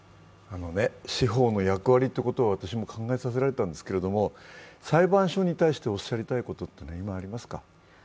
司法の役割ということを私も考えさせられたんですけど裁判所に対しておっしゃりたいことは今ありますか。